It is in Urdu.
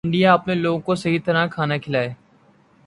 انڈیا اپنے لوگوں کو صحیح طرح کھانا کھلائے